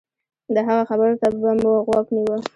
د هغه خبرو ته به مو غوږ نيوه.